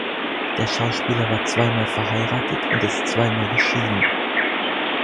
Der Schauspieler war zweimal verheiratet und ist zweimal geschieden.